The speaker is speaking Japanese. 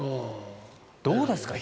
どうですか？